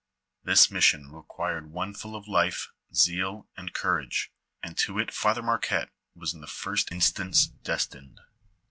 This mission required one full of life, zeal, and courage, and to it Father Marquette was in the first instance destined.